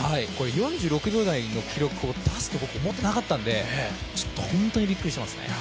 ４６秒台の記録を出すと思ってなかったので本当にびっくりしていますね。